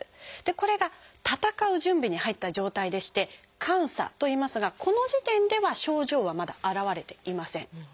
これが闘う準備に入った状態でして「感作」といいますがこの時点では症状はまだ現れていません。